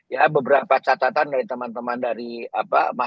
ya beberapa catatan dari teman teman dari apa mas kape memang terlihat bahwa